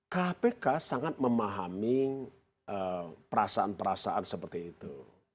kpk sangat memahami perasaan perasaan seperti itu